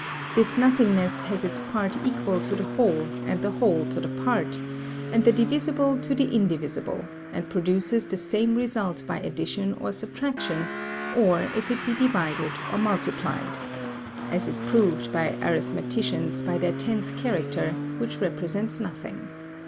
This nothingness has its part equal to the whole and the whole to the part, and the divisible to the indivisible, and produces the same result by addition or subtraction, or if it be divided or multiplied, as is proved by arithmeticians by their tenth character, which represents nothing.